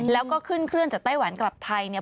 แล้วก็ขึ้นเครื่องจากไต้หวันกลับไทยเนี่ย